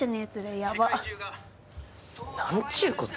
ヤバッなんちゅうこと